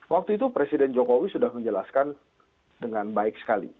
waktu itu presiden jokowi sudah menjelaskan dengan baik sekali